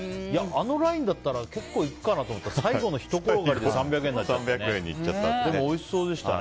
あのラインだったら結構いくかなと思ったら最後のひと転がりで３００円になっちゃいました。